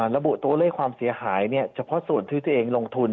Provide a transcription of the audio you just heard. ระบุตัวเลขความเสียหายเฉพาะส่วนที่ตัวเองลงทุน